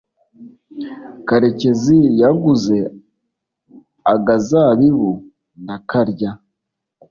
karekezi yaguze agazabibu ndakarya